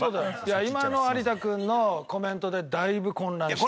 今の有田君のコメントでだいぶ混乱した。